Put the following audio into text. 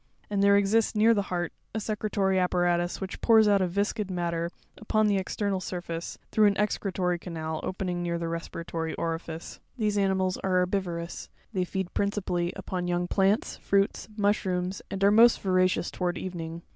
And there exists near the heart a secretory apparatus which pours out a viscid matter upon the external surface, through an excretory canal, opening near the respiratory orifice. 13. These animals are herbivorous: they feed principally upon young plants, fruits, mushrooms, and are most voracious towards evening.